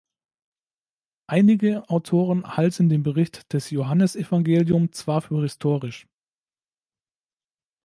Einige Autoren halten den Bericht des Johannesevangelium zwar für historisch.